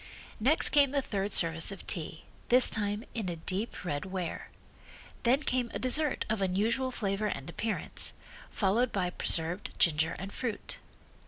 Next came the third service of tea, this time in a deep red ware. Then came a dessert of unusual flavor and appearance, followed by preserved ginger and fruit.